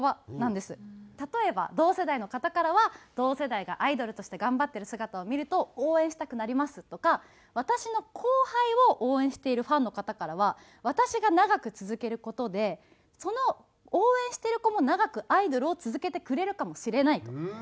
例えば同世代の方からは「同世代がアイドルとして頑張ってる姿を見ると応援したくなります」とか私の後輩を応援しているファンの方からは「私が長く続ける事でその応援してる子も長くアイドルを続けてくれるかもしれない」と。